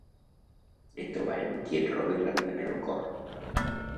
Et trobarem qui et robi ràpidament el cor.